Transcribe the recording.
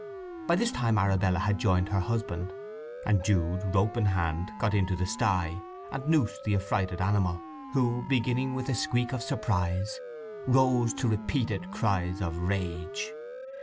By this time Arabella had joined her husband, and Jude, rope in hand, got into the sty, and noosed the affrighted animal, who, beginning with a squeak of surprise, rose to repeated cries of rage.